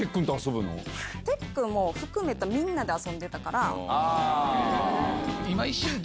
てっくんを含めたみんなで遊んでたから。